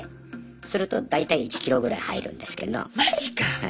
すると大体１キロぐらい入るんですけど。